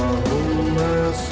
aku gak lapar